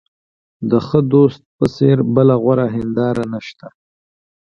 د ښه دوست په څېر بله غوره هنداره نشته.